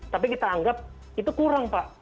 tapi kita anggap itu kurang pak